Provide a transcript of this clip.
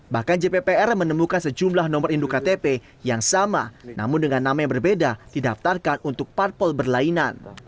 bahkan jppr menemukan sejumlah nomor induk ktp yang sama namun dengan nama yang berbeda didaftarkan untuk parpol berlainan